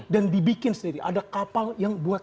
dan dibikin sendiri ada kapal yang buat